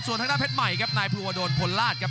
ส่วนทางด้านเพชรใหม่ครับนายภูวดลพลลาศครับ